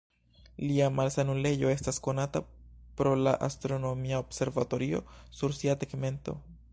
Lia malsanulejo estas konata pro la astronomia observatorio sur sia tegmento.